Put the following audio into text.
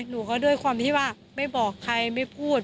หนูก็ด้วยความที่ว่าไม่บอกใครไม่พูด